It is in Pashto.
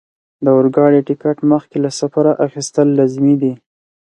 د اورګاډي ټکټ مخکې له سفره اخیستل لازمي دي.